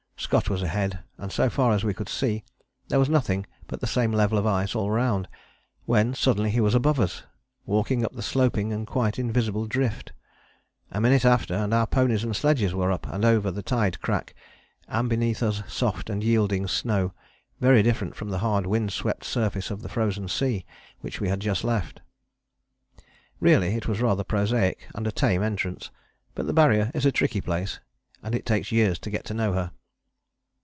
Scott was ahead, and so far as we could see there was nothing but the same level of ice all round when suddenly he was above us, walking up the sloping and quite invisible drift. A minute after and our ponies and sledges were up and over the tide crack, and beneath us soft and yielding snow, very different from the hard wind swept surface of the frozen sea, which we had just left. Really it was rather prosaic and a tame entrance. But the Barrier is a tricky place, and it takes years to get to know her.